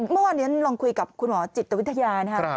เมื่อวานนี้ลองคุยกับคุณหมอจิตวิทยานะครับ